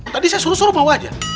tadi saya suruh suruh mau aja